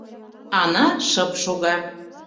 Ана шып шога.